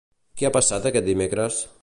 Què ha passat aquest dimecres?